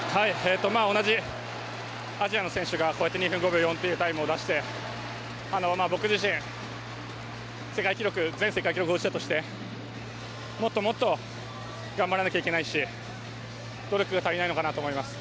同じアジアの選手が２分５秒４というタイムを出して、僕自身前世界記録保持者としてもっともっと頑張らなきゃいけないし努力が足りないのかなと思いました。